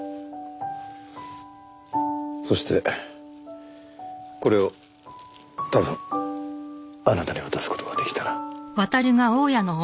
そしてこれを多分あなたに渡す事が出来たら。